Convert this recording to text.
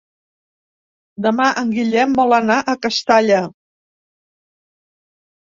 Demà en Guillem vol anar a Castalla.